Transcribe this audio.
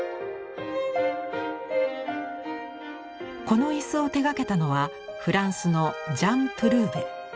この椅子を手がけたのはフランスのジャン・プルーヴェ。